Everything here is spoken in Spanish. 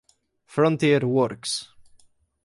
Frontier Works